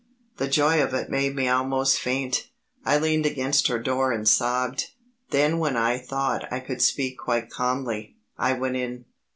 The joy of it made me almost faint. I leaned against her door and sobbed. Then when I thought I could speak quite calmly, I went in.